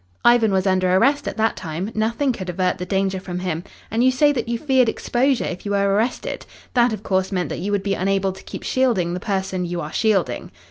"Ivan was under arrest at that time. Nothing could avert the danger from him. And you say that you feared exposure if you were arrested. That, of course, meant that you would be unable to keep shielding the person you are shielding?"